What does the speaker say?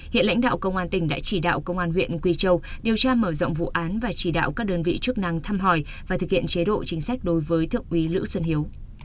hiện lãnh đạo công an tỉnh đã chỉ đạo công an huyện quỳ châu điều tra mở rộng vụ án và chỉ đạo các đơn vị chức năng thăm hỏi và thực hiện chế độ chính sách đối với thượng úy lữ xuân hiếu